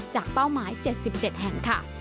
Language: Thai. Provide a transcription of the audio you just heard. เป้าหมาย๗๗แห่งค่ะ